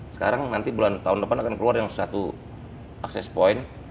sekarang nanti bulan tahun depan akan keluar yang satu access point